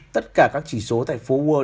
tất cả các chỉ số tại phố world